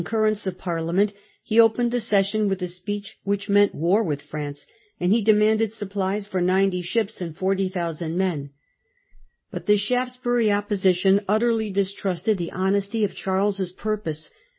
251 currence of Parliament, he opened the session with a speech which meant war with France, and he demanded supplies for ninety ships and 40,000 men. But the Shaftesbui'y Opposition utterly distrusted the honesty of Charles's purpose.